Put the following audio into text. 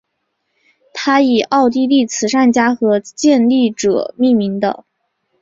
它以奥地利慈善家和建立者命名的。